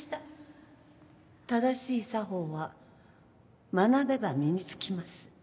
正しい作法は学べば身に付きます。